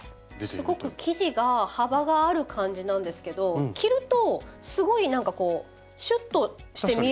すごく生地が幅がある感じなんですけど着るとすごいなんかこうシュッとして見えるなって。